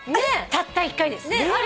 たった１回です。